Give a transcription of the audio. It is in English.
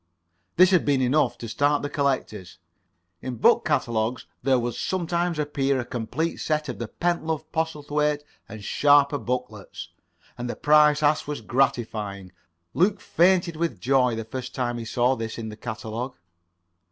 This had been enough to start the collectors. In book catalogues there would sometimes appear a complete set of the Pentlove, Postlethwaite and Sharper booklets. [Pg 14]And the price asked was gratifying. Luke fainted with joy the first time he saw this in the catalogue.